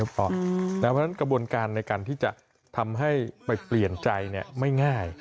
เพราะฉะนั้นกระบวนการในการที่จะทำให้ไปเปลี่ยนใจไม่ง่าย